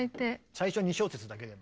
最初２小節だけでも。